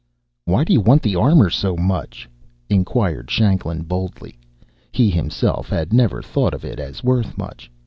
"Why do you want that armor so much?" inquired Shanklin boldly. He himself had never thought of it as worth much.